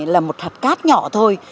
là một hạt cát nhỏ thôi